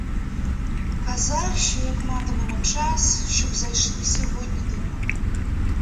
Казав, що як матимемо час, щоб зайшли сьогодні до нього.